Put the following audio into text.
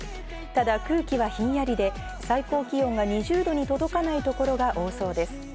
ただ空気はひんやりで最高気温が２０度に届かないところが多そうです。